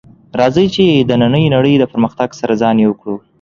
راځئ چې د نننۍ نړۍ د پرمختګ سره ځان یو کړو